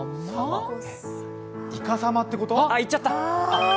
いかさまってこと？